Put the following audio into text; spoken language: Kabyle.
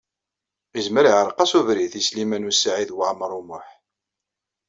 Izmer iɛṛeq-as ubrid i Sliman U Saɛid Waɛmaṛ U Muḥ.